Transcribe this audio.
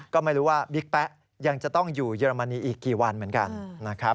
ก็ไม่รู้ว่าบิ๊กแป๊ะยังจะต้องอยู่เยอรมนีอีกกี่วันเหมือนกันนะครับ